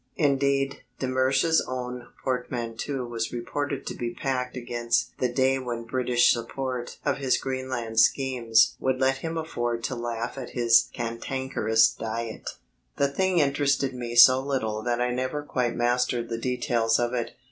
Indeed, de Mersch's own portmanteau was reported to be packed against the day when British support of his Greenland schemes would let him afford to laugh at his cantankerous Diet. The thing interested me so little that I never quite mastered the details of it.